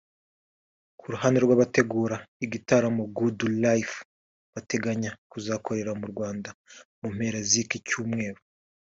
Ku ruhande rw’abategura igitaramo Good Life bateganya kuzakorera mu Rwanda mu mpera z’iki cyumweru